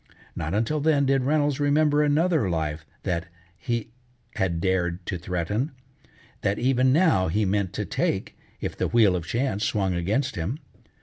Not until then did Reynolds remember another life that be had dared to threaten, that even now he meant to take if the wheel of chance swung against him.